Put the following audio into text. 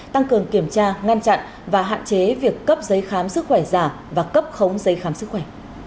tăng cường kiểm tra ngăn chặn và hạn chế việc cấp giấy khám sức khỏe giả và cấp khống giấy khám sức khỏe